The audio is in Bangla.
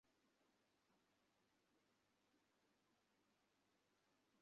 দুঃখিত, আমি আর ডার্ক নাইট একটু ছোঁড়াছুঁড়ি খেলছিলাম।